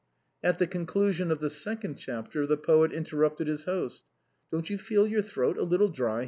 At the conclusion of the second chapter, the poet inter rupted his host: " Don't you feel your throat a little dry